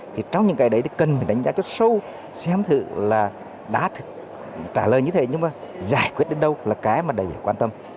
thì trong những cái đấy thì cần phải đánh giá cho sâu xem thử là đã trả lời như thế nhưng mà giải quyết đến đâu là cái mà đại biểu quan tâm